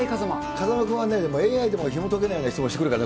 風間君はね、ＡＩでもひもとけないような質問してくるから。